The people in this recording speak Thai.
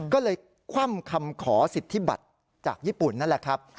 ก็เลยคว่ำคำขอสิทธิบัตรจากญี่ปุ่นนั่นแหละครับ